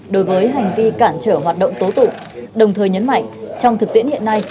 đối với hành vi cản trở hoạt động tố tụng đồng thời nhấn mạnh trong thực tiễn hiện nay